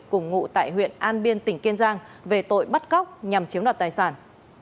cùng ngụ tại huyện an biên tỉnh kiên giang về tội bắt cóc nhằm chiếm đoạt tài sản